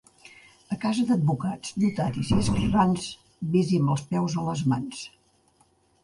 A casa d'advocats, notaris i escrivans, ves-hi amb els peus a les mans.